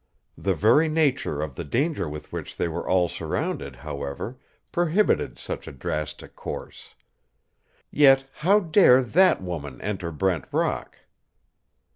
The very nature of the danger with which they were all surrounded, however, prohibited such a drastic course. Yet how dare that woman enter Brent Rock?